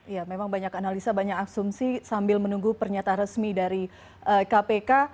ya memang banyak analisa banyak asumsi sambil menunggu pernyataan resmi dari kpk